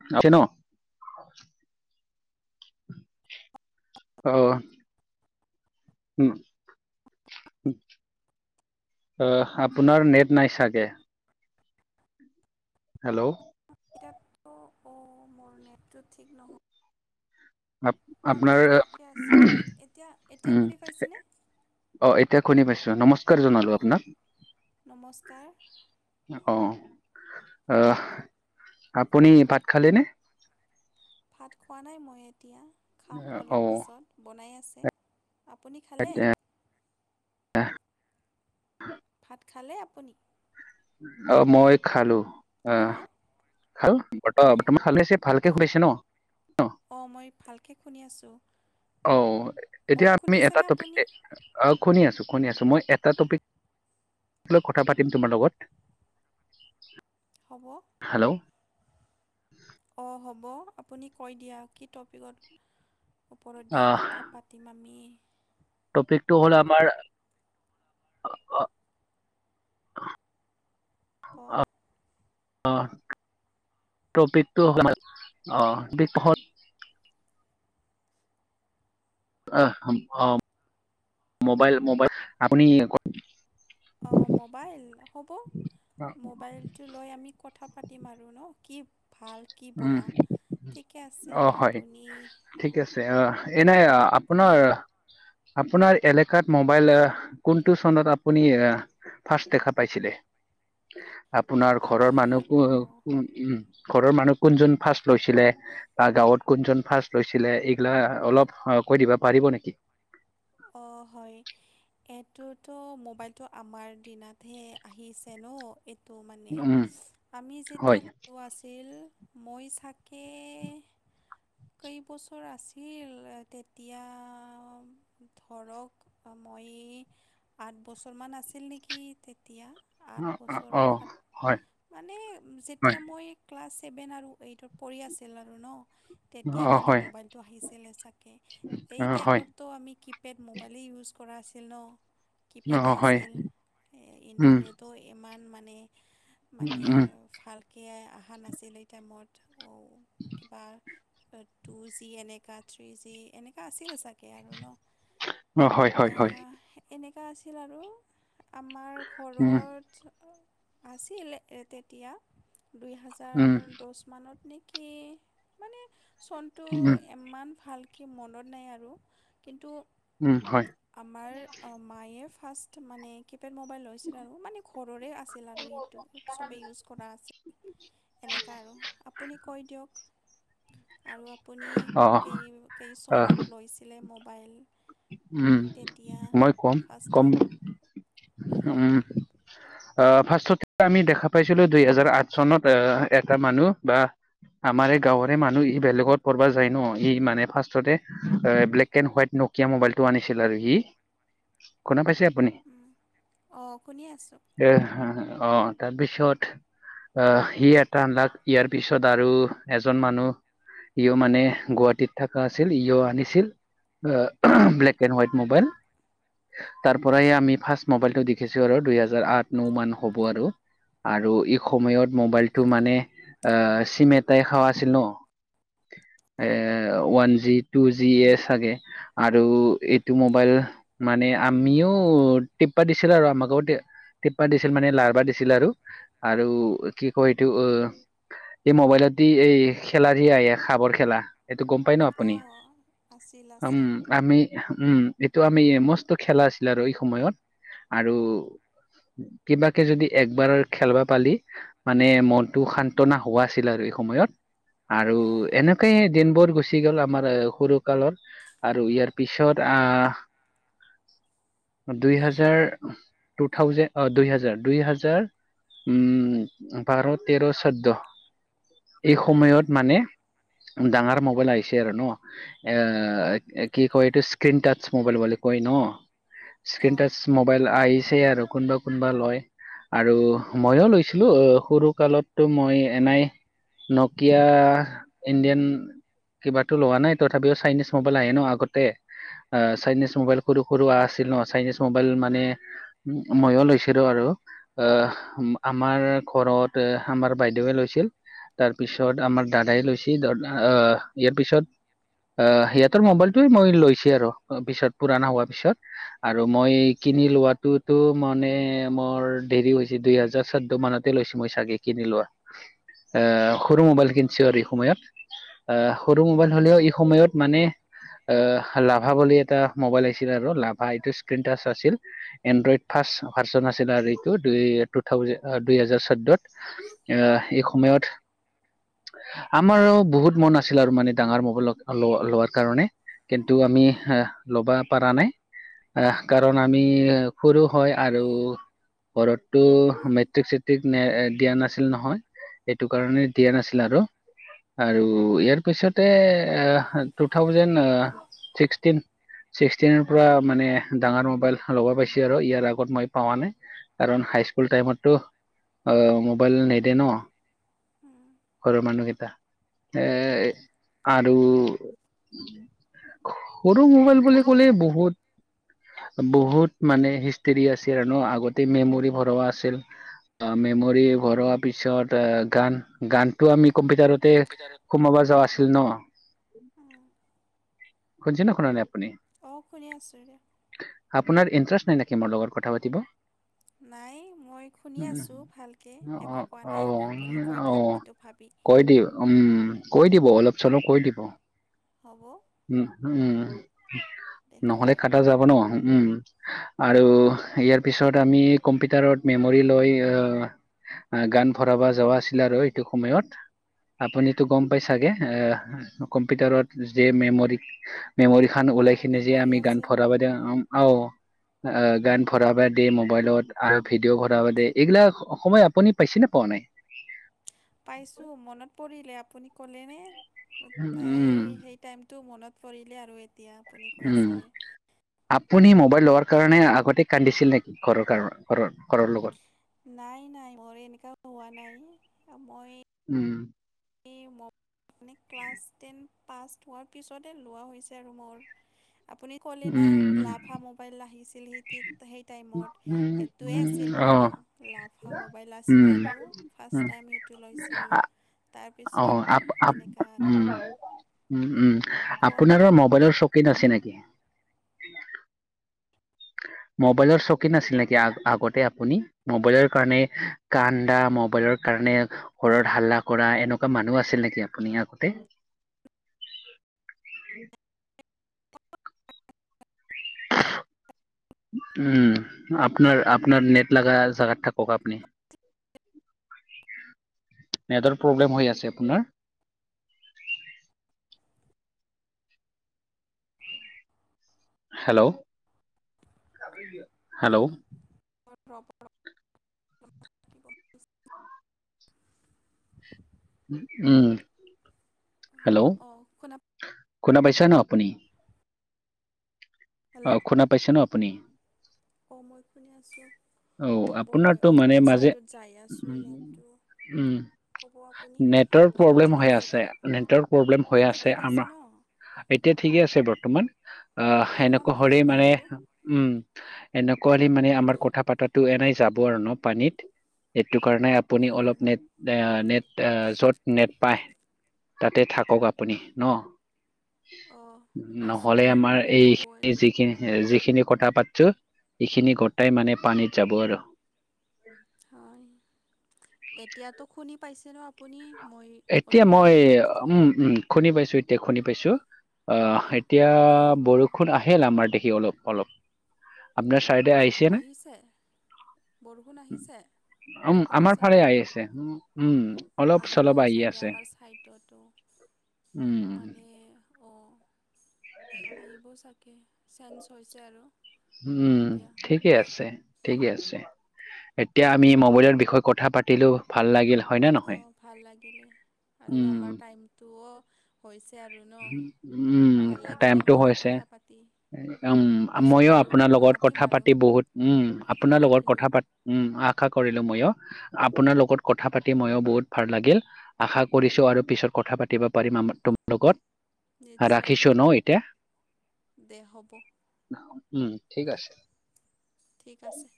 [unintelligible] অহ'। উম'। আহ', আপোনাৰ নেট নাই চাগে। হেল্ল'। [inaudible] অ, ' মোৰ নেটটো ঠিক নহয়। আপ মোৰ আগতে আপোনাৰ ঠিকে আছিল, এতিয়া এতিয়া উম শুনি পাইছেনে? অ', এতিয়া খুনি পাইছো, নমস্কাৰ অ জনালো আপোনাক। নমস্কাৰ। অহ'। আহ', আপুনি ভাত খালেনে? ভাত খোৱা নাই মই এতিয়া, খাম অ অলপ পিছত, বনাই আছ আপুনি খালে? এতিয়া ভাত খালে আপুনি? অ', মই খালো। আহ হেল্ল'। [unintelligible] অ', অঁ কি অঁ মই ভালকৈ শুনি আছোঁ মোক এতিয়া আমি এটা শুনিছেনে টপিক আপুনি এ আহ শুনি আছো। শুনি আছোঁ মই, এটা টপিক লৈ কথা পাতিম তোমাৰ লগত। হ'ব। হেল্ল' অ', হ'ব আপুনি কৈ দিয়া, কি টপিকত ওপৰেদি আহ কথা পাতিম আমি। টপিকটো হ'ল আমাৰ অ', অ' কোৱা। অহ'। টপিকটো [unintelligible] আহ', অ', মোবাইল মোবাইল আপুনি অ', মোবাইল হ'ব। মোবাইলটো লৈ আমি কথা পাতিম আৰু ন' কি ভাল কি উম বৰা, ঠিকে আছে, অ হয় আপুনি ঠিক অ'। আছে এনে আপোনাৰ আপোনাৰ এলেকাত মোবাইল কোনটো চনত আপুনি এ আ ফাৰ্ষ্ট দেখা পাইছিলে? আপোনাৰ ঘৰৰ আমি মানুহ অঁ কো-কু-উম', ঘৰৰ মানুহ কোনজন ফাৰ্ষ্ট লৈছিলে, বা গাঁৱত কোনজন ফাৰ্ষ্ট লৈছিলে, এইগিলা অলপ কৈ দিবা পাৰিবো নেকি? অ', হয়। এইটোতো মোবাইলটো আমাৰ দিনাতহে আহিছে ন'। এইটো মানে উম আমি হয় যেতিয়া সৰু আছিল। মই চাকে কেইবছৰ আছিল তেতিয়া ধৰক মই আঠ বছৰমান আছিল নেকি তেতিয়া অ আঠ অ, বছৰৰ অ, হয় সাত মানে হয় যেতিয়া মই ক্লাছ ছেভেন আৰু এইটত পঢ়ি আছিলে আৰু ন তেতিয়া অ মানে হয় মোবাইলটো আহিছিল চাকেএই অ হয় টাইমতটো আমি কি পিপেড মোবাইলেই ইউজ কৰা আছিল ন অ কিপেডে হয় আছিল উম ইণ্টাৰনেটো ইমান মানে উম মানে উম, ভালকে অহা নাছিল এই টাইমত কিবা টু জি এনেকা থ্ৰী জি এনেকুৱা আছিল চাগে আৰু ন অ হয় হয় হয় এনেকুৱা আছিল আৰু আমাৰ উম ঘৰত আছিল তেতিয়া দুই হেজাৰ উম দহ মানত নেক কি মানে চনটো উম, ইমান ভাল কে মনত নাই আৰু কিন্তু উম, হয় আমাৰ অ মায়ে ফাৰ্ষ্ট মানে কিনিলে পেড মোবাইল হৈছিল আৰু মানে ঘৰৰে আছিল আৰু সেইটো চবেই ইউজ কৰা আছিল এনেকা আৰু আপুনি কৈ দিয়ক আৰু আপুনি অ', কেই কেই আহ, চনত লৈছিলে মো উম মই কম ফাৰ্ষ্ট কম টাইম উম আহ ফাস্টত আমি দেখা পাইছিলো দুই হেজাৰ আঠ চনত আহ এটা মানুহ বা আমাৰে এই গাঁৱৰে মানুহ ই বেলেগত পঢ়িবা যায় ন ই মানে ফাস্টতে এ ব্লেক এড হোৱাইট ন নকীয়া মোবাইল টো আনিছিল আৰু সি শুনা পাইছে দে উম, অঁ শুনি আছোঁ এ আহ তাৰপিছত আহ সি এটা লাক ইয়াৰ পিছত আৰু এজন মানুহ ইউ মানে গুৱাহাটীত থকা আছিল ই আনিছিল আহ ব্লেক এণ্ড হোৱাইট মোবাইল তাৰ পৰাই আমি ফাৰ্ষ্ট মোবাইলটো দেখিছো আৰু দুইহেজাৰ আঠ ন মান হব আৰু আৰু ই সময়ত মোবাইলটো মানে আহ চিম এটাই খোৱা আছিল ন এ অঁ ওৱান জি টু জি এ চাগে আৰু এইটো মোবাইল মানে আমিও টিপিবা দিছিল আৰু আমাকো টিপিবা দিছিল মানে লাৰবা দিছিল আৰু আৰু কি কয় এইটো অ এই মোবাইলতে এই খেলা দি আহ সাপৰ খেলা গম পাই ন আপুনি অঁ আছিল উম আছিল আমি উম এইটো আমি মস্ত খেলা আছিল আৰু এই সময়ত আৰু কিবাকে যদি একবাৰ খেলবা পালি মানে মনটো সান্তনা হোৱা আছিল আৰু সময়ত আৰু হয় এনেকেই দিনবোৰ গুচি গ'ল আমাৰ সৰু কালৰ আৰু ইয়াৰ পিছত আহ দুই হাজাৰ টু থাউজেণ্ড অ দুই হাজাৰ দুই হাজাৰ উম বাৰ তেৰ ছৌধ্য এই সময়ত মানে ডাঙৰ মোবাইল আহিছে আৰু ন উম, এ কি কয় এইটো স্ক্ৰন টাচ মোবাইল বুলি কয় ন স্ক্ৰীন অঁ টাচ মোবাইল আহিছে আৰু কোনোবা কোনোবা লয় আৰু ময়ো লৈছিলো সৰু কালতো মই এনাই নকিয়া ইণ্ডিয়ান কিবাতো লোৱা নাই তথাপিও চাইনিজ ম উলাই আহে ন আগতে আহ চাইনিজ মোবাইল সৰু সৰু আছিল ন চাইনিজ মোবাইল মানে মইয়ো লৈছিলো আৰু আহ আমাৰ ঘৰত আমাৰ বাইদেৱে লৈছিল তাৰপিছত আমাৰ দাদাই লৈছে দাদ আহ ইয়াৰ পিছত আহ ইয়াত মবাইলতোৱে মই লৈছো আৰু পিছত পুৰণা হোৱা পিছত আৰু মই কিনি লোৱা টো মানে মোৰ দেৰি হৈছে দুই হাজাৰ চৈধ্য মানতে লৈছো মই চাগে কিনি লোৱা আহ সৰু মোবাইল কিনছো আৰু এই সময়ত, আহ সৰু মোবাইল হ'লেও এই সময়ত মানে আহ, লাভা বুলি এটা মোবাইল আহিছিল আৰু লাভা এইটো স্ক্ৰীনটাচ আছিল এনড্ৰইড ফাষ্ট ভাৰ্চন আছিল আৰু এইতো, দুই [unintelligible] হাজাৰ চৈধ্যত আ আমাৰ বহুত মন আছিল আৰু, মানে ডাঙৰ মোবাইল ল লৱাৰ কাৰণে, কিন্তু আমি ল'বা পাৰা নাই। আহ, কাৰণ আমি সৰু হয় আৰু ঘৰতটো মেট্ৰিক চেট্ৰিক নে-নে দিয়া নাছিল নহয়। এইটো কাৰণে দিয়া নাছিল আৰু, আৰু ইয়াৰ পিছতে আহ টু থাউজেণ্ড ছিক্সটিন ছিক্সটিনৰ পৰা মানে ডাঙাৰ মোবাইল লবা পাইছি আৰু, ইয়াৰ আগত মই পাৱা নাই কাৰণ হাইস্কুল টাইমতটো, আহ মোবাইল নেদে নহ? ঘৰৰ মানুহকেইটা, এ আৰু সৰু মোবাইল বুলি সৰু ক'লে বহুত বহুত মানে হিষ্ট্ৰীৰি আছিল, আৰু আগতে মেমৰি ভৰুৱা আছিল। অ', মেমৰি ভৰোৱা পিছত, গান-গানটো আমি কম্পিউটাৰত তে, মোৰ সোমাবা যাৱা আছিল নহ? শুনছে নে শুনা নাই আপুনি? অ', শুনি আছো দিয়া। আপোনাৰ ইণ্টাৰেষ্ট নাই নেকি, মোৰ লগত কথা পাতিব? [inaudible] নাই মই শুনি আছোঁ ভালকে, একো অ কোৱা নাই আৰু আপুনি কৈ অ অ থাক এইটো ভাবি। [unintelligible] উম কৈ দিব অলপ চলপ কৈ দিব। হ'ব। উম উম, দে নহ'লে কোৱা কাটা যাব নহ। উম, আৰু ইয়াৰ পিছত আমি কম্পিউটাৰত মেমৰি লৈ আহ আহ, গান ভৰাবা যাৱা আছিলে আৰু এইটো সময়ত। আপুনিতো গম পাই চাগে, আহ কম্পিউটাৰত যে, মেমৰি-মেমৰিখান ওলাই অঁ কিনে যে মেমৰি আমি গান আছিল ভৰাবা দেওঁ অ'। অ', গান ভৰাবা দি মোবাইলত, আৰু ভিডিঅ' ভৰাব দি এইগিলাক সময় আপুনি পাইছে নে পোৱা নাই? [inaudible] পাইছোঁ, মনত পৰিলে আপুনি ক'লেনে তাই উম সেই টাইমটো মনত পৰিলে আৰু এতিয়া, আপুনি কৈ উম আছে। আপুনি মোবাইল লোৱাৰ কাৰণে আগতে কান্দিছিল নেকি? ঘৰৰ কাৰ ঘৰৰ-ঘৰৰ লগত নাই, নাই মোৰ এনেকা হোৱা নাই। মই উম। আপুনি ক্লাছ টেন পাছ হোৱাৰ পিছতে লোৱা হৈছে আৰু মোৰ। আপুনি কলি না, উম লাভা মোবাইল আহিছ আছিল [unintelligible] সেই টাইমত, উম সেইটোৱে আছিল উম অ মোৰো লাফা মোবাইল আছিল উম আৰু। ফাৰ্ষ্ট উম টাইম সেইটো লৈছিলোঁ, আ- তা অ', আপ-আপ উম। উম, উম, কোৱা আপোনাৰ' মবাইলৰ চক [unintelligible] আছে নেকি? [inaudible] মোবাইলৰ চকীন নাছিল নেকি, আ-আগতে আপুনি? মোবাইলৰ কাৰণে কান্দা, মোবাইলৰ কাৰ [unintelligible] ঘৰত হাল্লা কৰা, এনেকুৱা মানুহ আছিল নেকি আপুনি আগতে? [inaudible] [unintelligible] [unintelligible] উম, আপোনাৰ আপোনাৰ নেট লাগা জাগাত থাকক আপুনি। [inaudible] নেটৱৰ্ক প্ৰব্লেম হৈ আছে আপোনাৰ হেল্ল' হেল্ল' [unintelligible] উম। হেল্ল' অ' শুনা শুনা পাইছা ন আপুনি। হেল্ল' অ' শুনা পাইছে ন আপুনি। অঁ মই শুনি আছোঁ, অ হ'ব মই আপোনাৰতো মানে অলপমান মাজে ছাইডত যাই আছোঁ নেটটো। উম, ক'ব আপুনি নেটৰ এইবাৰ প্ৰব্লেম ঠিক হৈ আছে, দিয়া নেটৰ প্ৰব্লেম হৈ এতিয়া আছে ঠিক আমাৰ। ন অঁ এতিয়া ঠিকে আছে বৰ্ত বৰ্তমান, অ' অলপমান এনেকুৱা হ'লে বাহিৰত মানে আহিলোঁ উম, এনেকুৱা হ'লে মানে আমাৰ দে কথা পাতা। এনেই যাব আৰু ন পানীত। সেইটো কাৰণে আপুনি অলপ নেট নেট য'ত নেট পায়। তাতে থাকক আপুনি ন। অঁ আছোঁ নহ'লে দিয়া আমাৰ ক'ব এইখিনি এতিয়া যিখিনি যিখিনি। কথা পাতছো এইখিনি গোটাই মানে পানীত যাব আৰু। হয়, এতিয়াতো শুনি পাইছে নো আপুনি। মই এতিয়া, অলপমান মই নেট উম, উম, শুনি পাইছো। এতিয়া শুনি পাইছো। অ' অঁ এতিয়া ভালে বৰষুণ আহিল আমাৰ দেখি অলপ অলপ আপোনাৰ। চাইডে আহিছে নে। বৰষুণ আহিছে উম, আপোনাৰ আমাৰ ফালেই ছাইডত আহি আছে উম, উম, অলপ চলপ। বোৱ আহি চাগৈ আছে আমাৰ ছাইডতোটো উম। মানে। আহিবও চাগে চেঞ্চ হৈছে আৰু। উম, এতিয়া ঠিক। ঠিকে আছে, ঠিকে আছে, এতিয়া আমি মবাইলৰ বিষয়ে কথা পাতিলো ভাল লাগিল। হয় নে নহয়? অ' ভাল লাগিলে আৰু উম, আমাৰ টাইমটোও হৈছে। দে আৰু ন উম, ভাল লাগিলে টাইমটো মোৰো হৈছে। কথা পাতি। উম, পিছত ময়ো আৰু আপোনাৰ লগত পাতিম কথা আৰু পাতি বহুত উম, আশা আপোনাৰ লগত ৰাখিলোঁ কথা পাতি উম। আশা কৰিলোঁ ময়ো। আপোনাৰ লগত কথা পাতি ময়ো বহুত ভাল লাগিল। আশা কৰিছো আৰু পিছত কথা পাতিব পাৰিম আমাৰ টো লগত নিশ্চয় ৰাখিছো ন এতিয়া। দে হ'ব। উম, ঠিক আছে। ঠিক আছে।